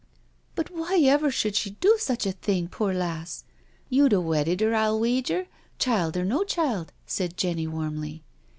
" But why ever should she do such a thing, poor lass? You'd a wedded .her, J'U wager, child or no child," said Jenny warmly.